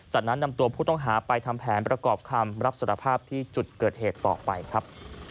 จากนั้นนำตัวผู้ต้องหาไปทำแผนประกอบคำรับสารภาพที่จุดเกิดเหตุต่อไปครับ